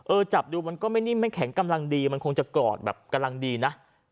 จับดูมันก็ไม่นิ่มไม่แข็งกำลังดีมันคงจะกอดแบบกำลังดีนะ